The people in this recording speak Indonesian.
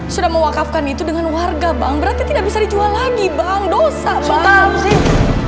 sudah mewakafkan itu dengan warga bang berarti tidak bisa dijual lagi bang dosa bang